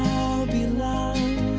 dulu kau bilang